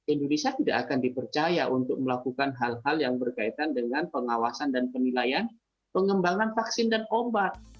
indonesia tidak akan dipercaya untuk melakukan hal hal yang berkaitan dengan pengawasan dan penilaian pengembangan vaksin dan obat